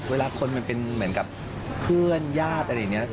เวลาคนมันเป็นเหมือนกับเพื่อนญาติอะไรอย่างนี้